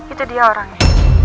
itu dia orangnya